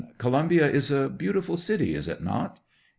Columbia is a beautiful city, is it not